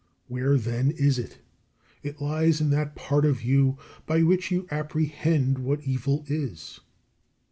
Where, then, is it? It lies in that part of you by which you apprehend what evil is.